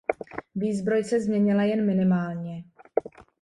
Výzbroj se změnila jen minimálně.